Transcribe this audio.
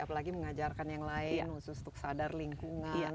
apalagi mengajarkan yang lain khusus untuk sadar lingkungan